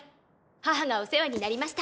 母がお世話になりました！